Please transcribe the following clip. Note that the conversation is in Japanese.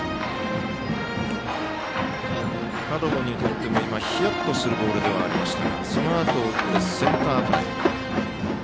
門野にとってもヒヤッとするボールでしたがそのあと打ってセンターフライ。